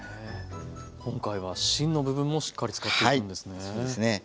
今回は芯の部分もしっかり使っていくんですね。